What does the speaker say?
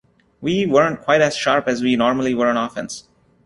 We weren't quite as sharp as we normally were on offense.